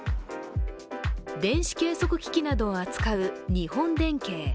電子計測機器などを扱う日本電計。